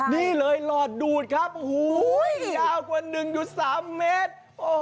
นี่เลยหลอดดูดครับโอ้โหยาวกว่า๑๓เมตร